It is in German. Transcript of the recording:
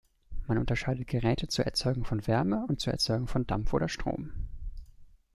Man unterscheidet Geräte zur Erzeugung von Wärme und zur Erzeugung von Dampf oder Strom.